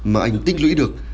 mà anh tích lũy được